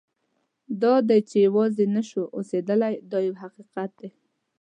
دا ده چې یوازې نه شو اوسېدلی دا یو حقیقت دی.